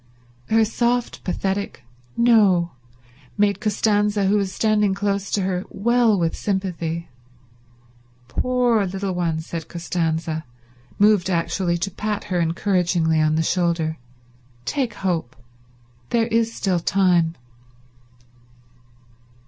Her soft, pathetic "No" made Costanza, who was standing close to her, well with sympathy. "Poor little one," said Costanza, moved actually to pat her encouragingly on the shoulder, "take hope. There is still time."